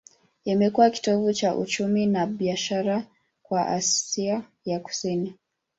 Imekuwa kitovu cha uchumi na biashara kwa Asia ya Kusini.